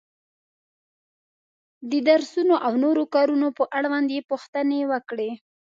د درسونو او نورو کارونو په اړوند یې پوښتنې وکړې.